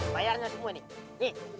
bayarnya semua nih nih